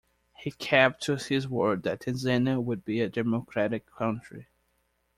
He kept to his word that Tanzania would be a democratic country.